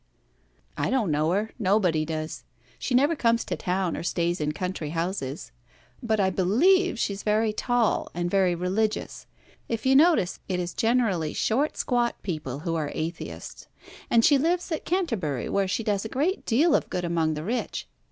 "I don't know her. Nobody does. She never comes to town or stays in country houses. But I believe she is very tall, and very religious if you notice, it is generally short, squat people who are atheists and she lives at Canterbury, where she does a great deal of good among the rich.